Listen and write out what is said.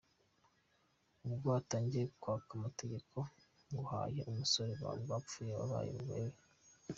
Ubwo utangiye kwanga amategeko nguhaye, ubusore bwapfuye wabaye Rubebe.